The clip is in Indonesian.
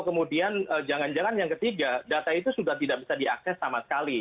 kemudian jangan jangan yang ketiga data itu sudah tidak bisa diakses sama sekali